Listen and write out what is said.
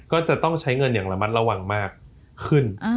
ก็จะต้องใช้เงินอย่างระมัดระวังมากขึ้น